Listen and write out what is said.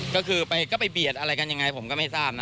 ก็คือก็ไปเบียดอะไรกันยังไงผมก็ไม่ทราบนะ